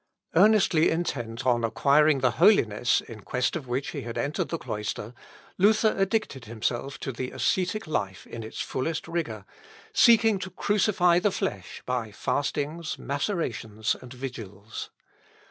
Earnestly intent on acquiring the holiness in quest of which he had entered the cloister, Luther addicted himself to the ascetic life in its fullest rigour, seeking to crucify the flesh by fastings, macerations, and vigils.